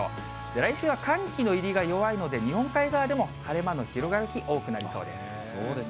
来週は寒気の入りが弱いので日本海側でも晴れ間の広がる日、多くなりそうです。